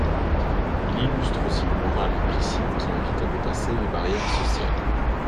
Il illustre aussi une morale implicite qui invite à dépasser les barrières sociales.